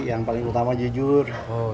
yang paling utama jujur